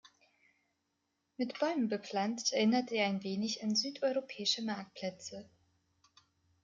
Mit Bäumen bepflanzt erinnert er ein wenig an südeuropäische Marktplätze.